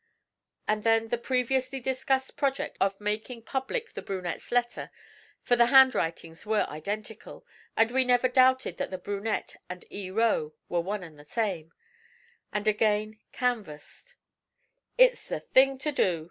And then the previously discussed project of making public the brunette's letter for the handwritings were identical, and we never doubted that the brunette and 'E. Roe' were one and the same was again canvassed. 'It's the thing to do!'